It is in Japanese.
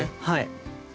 はい。